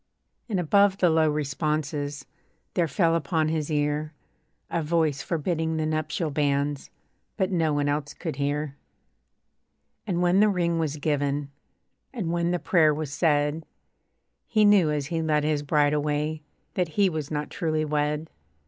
And above the low responses There fell upon his ear A voice forbidding the nuptial banns; But no one else could hear. And when the ring was given, And when the prayer was said, He knew, as he led his bride away, That he was not truly wed.